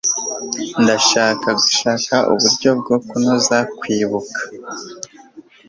Ndashaka gushaka uburyo bwo kunoza kwibuka.